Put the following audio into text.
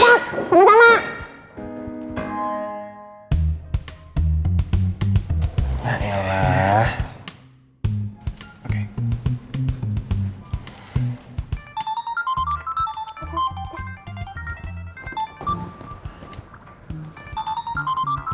tetap tetap tetap sama sama